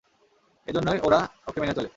এজন্যই ওরা ওকে মেনে চলে।